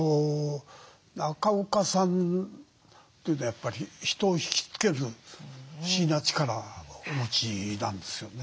中岡さんというのはやっぱり人を引き付ける不思議な力をお持ちなんですよね。